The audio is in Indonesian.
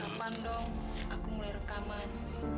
kapan dong aku mulai rekaman